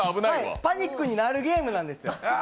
パニックになるゲームなんですよ。